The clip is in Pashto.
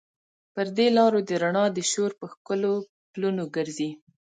پر دې لارو د رڼا د شور، په ښکلو پلونو ګرزي